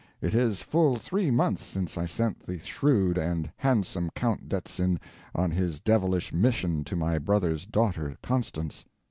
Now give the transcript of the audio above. It is full three months since I sent the shrewd and handsome Count Detzin on his devilish mission to my brother's daughter Constance.